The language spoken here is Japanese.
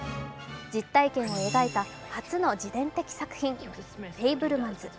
実体験を描いた初の自伝的作品「フェイブルマンズ」。